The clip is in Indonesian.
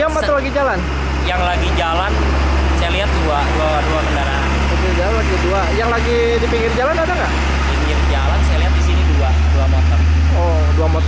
apa lagi jalan yang lagi jalan saya lihat dua ratus dua puluh dua yang lagi di pinggir jalan ada nggak